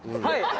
はい。